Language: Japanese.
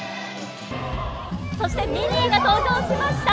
そして、ミニーが登場しました。